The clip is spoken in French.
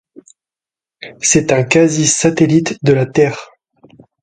C'est un quasi-satellite de la Terre.